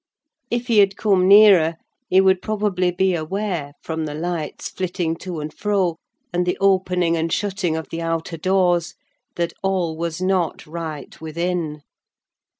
If he had come nearer, he would probably be aware, from the lights flitting to and fro, and the opening and shutting of the outer doors, that all was not right within.